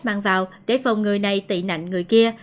mang vào để phòng người này tị nạn người kia